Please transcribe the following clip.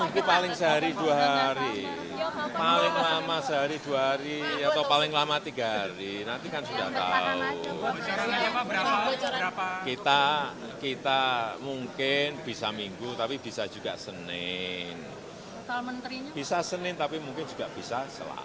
tiga hari nanti kan sudah tahu kita mungkin bisa minggu tapi bisa juga senin bisa senin tapi mungkin juga bisa selasa